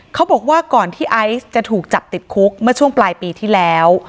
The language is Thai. เขาบอกว่าก่อนที่ไอซ์จะถูกจับติดคุกเมื่อช่วงปลายปีที่แล้ว